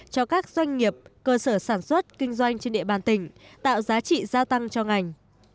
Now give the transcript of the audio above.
cho các doanh nghiệp cơ sở sản xuất kinh doanh trên địa bàn tỉnh tạo giá trị gia tăng cho ngành